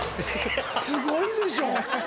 すごいでしょ？